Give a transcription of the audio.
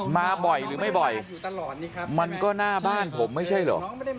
มาบ่อยหรือไม่บ่อยมันก็หน้าบ้านผมไม่ใช่เหรอ